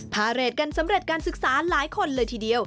พาเรทกันสำเร็จการศึกษาหลายคนเลยทีเดียว